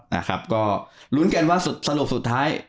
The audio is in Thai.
นะครับก็ลุ้นกันว่าสรุปสุดท้าย